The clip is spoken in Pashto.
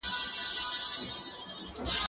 زه له سهاره اوبه پاکوم؟!